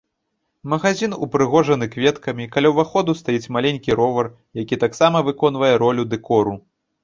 Магазін упрыгожаны кветкамі, каля ўваходу стаіць маленькі ровар, які таксама выконвае ролю дэкору.